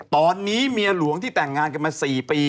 ตอนนี้เมียหลวงที่แต่งงานกันมา๔ปี